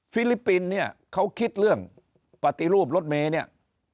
ฟินเนี่ยเขาคิดเรื่องปฏิรูปรถเมย์เนี่ย